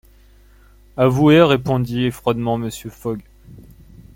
Avoués, répondit froidement Mr. Fogg.